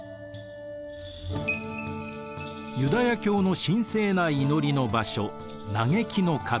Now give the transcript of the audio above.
ユダヤ教の神聖な祈りの場所嘆きの壁。